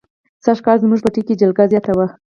سږ کال زموږ پټي کې جلگه زیاته وه.